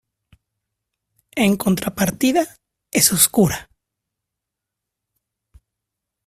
En contrapartida, es oscura.